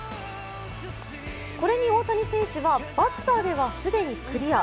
これに大谷選手はバッターでは既にクリア。